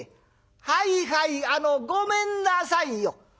「はいはいあのごめんなさいよ」。